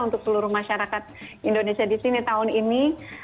untuk seluruh masyarakat indonesia disini tahun ini